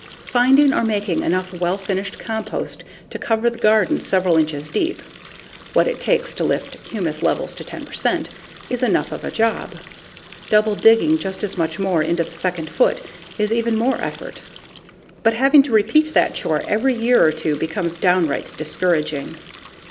Finding or making enough well finished compost to cover the garden several inches deep (what it takes to lift humus levels to 10 percent) is enough of a job. Double digging just as much more into the second foot is even more effort. But having to repeat that chore every year or two becomes downright discouraging.